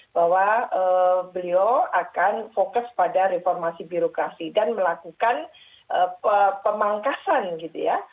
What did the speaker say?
bahwa beliau akan fokus pada reformasi birokrasi dan melakukan pemangkasan gitu ya